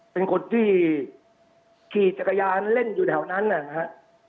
เป็นคนที่ขี่จักรยานเล่นอยู่แถวนั้นนะครับ